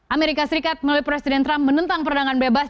amerika serikat melalui presiden trump menentang perdagangan bebas